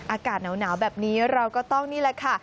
อากาศหนาวแบบนี้เราก็ต้องนี่แหละค่ะ